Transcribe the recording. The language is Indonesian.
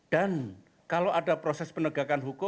dan kalau ada proses penegakan hukum